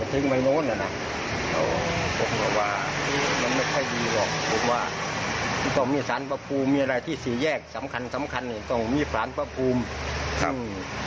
ต้องมีสารพระภูมิมีอะไรที่สีแยกสำคัญต้องมีสารพระภูมิ